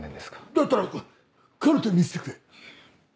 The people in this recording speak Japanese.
だったらカルテ見せてくれ。